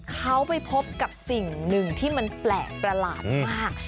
เขาไปพบกับสิ่งหนึ่งที่มันแปลกประหลาดมาก